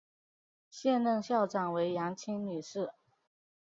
现任校长为杨清女士。